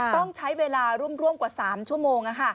ต้องใช้เวลาร่วมกว่า๓ชั่วโมง